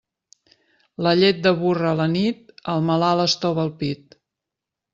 La llet de burra a la nit, al malalt estova el pit.